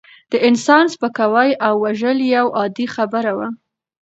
د انسان سپکاوی او وژل یوه عادي خبره وه.